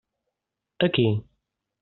Aquí?